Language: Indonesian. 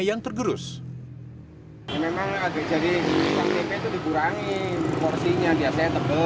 yang terlalu berat